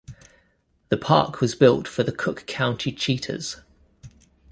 The park was built for the Cook County Cheetahs.